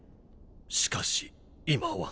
しかし今は。